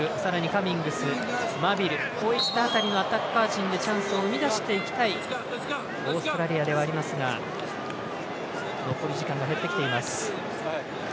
カミングス、マビルこういった辺りのアタッカー陣でチャンスを生み出していきたいオーストラリアではありますが残り時間が減ってきています。